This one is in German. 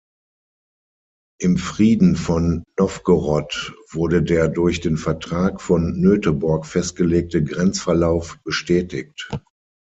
Im Frieden von Nowgorod wurde der durch den Vertrag von Nöteborg festgelegte Grenzverlauf bestätigt.